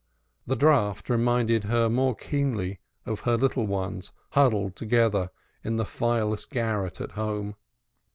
The draught reminded her more keenly of her little ones huddled together in the fireless garret at home.